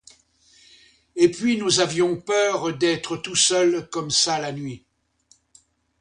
Et puis nous avions peur d'être tout seuls comme ça la nuit.